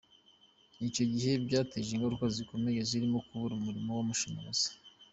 Icyo gihe byateje ingaruka zikomeye zirimo kubura umuriro w’amashanyarazi.